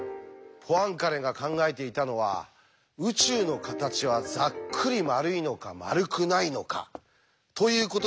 ポアンカレが考えていたのは「宇宙の形はざっくり丸いのか丸くないのか」ということでしたよね。